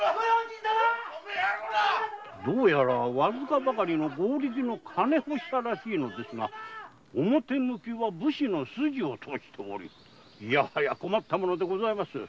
どうやらわずかばかりの金欲しさらしいのですが表向きは武士の筋をとおしており困ったことでございます。